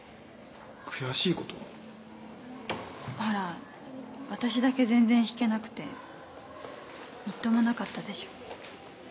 ほら私だけ全然弾けなくてみっともなかったでしょ。